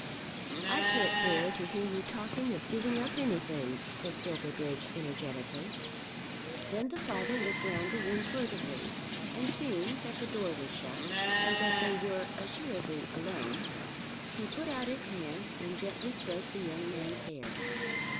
"I can't bear to hear you talking of giving up anything," said Silverbridge energetically. Then the father looked round the room furtively, and seeing that the door was shut, and that they were assuredly alone, he put out his hand and gently stroked the young man's hair.